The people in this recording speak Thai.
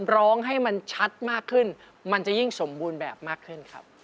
ร้องให้มันชัดมากขึ้นมันจะยิ่งสมบูรณ์แบบมากขึ้นครับ